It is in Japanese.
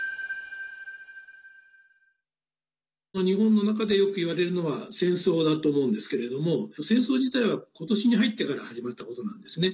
日本の中でよく言われるのは戦争だと思うんですけれども戦争自体は今年に入ってから始まったことなんですね。